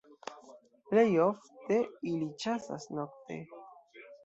Plej ofte ili ĉasas nokte.